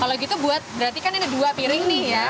kalau gitu buat berarti kan ini dua piring nih ya